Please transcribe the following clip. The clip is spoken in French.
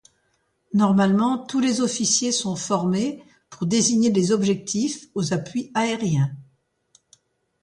Normalement tous les officiers sont formés pour désigner des objectifs aux appuis aériens.